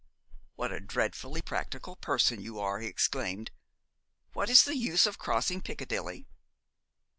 'What a dreadfully practical person you are!' he exclaimed. 'What is the use of crossing Piccadilly?